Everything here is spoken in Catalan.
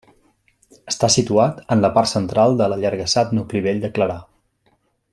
Està situada en la part central de l'allargassat nucli vell de Clarà.